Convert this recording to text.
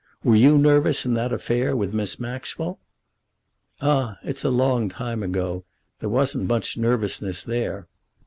Were you nervous in that affair with Miss Maxwell?" "Ah; it's a long time ago. There wasn't much nervousness there."